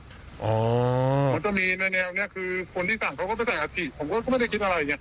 เขาจะมีในแนวนี้คือคนที่สั่งเขาก็ไม่ใส่อาถิผมก็ไม่ได้คิดอะไรไง